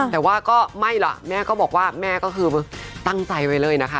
แต่ว่าก็ไม่ล่ะแม่ก็บอกว่าแม่ก็คือตั้งใจไว้เลยนะคะ